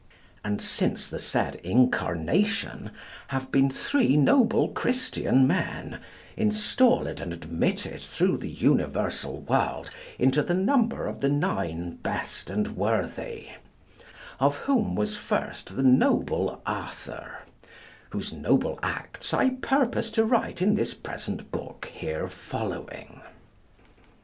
And since the said Incarnation have been three noble Christian men, installed and admitted through the universal world into the number of the nine best and worthy, of whom was first the noble Arthur, whose noble acts I purpose to write in this present book here following.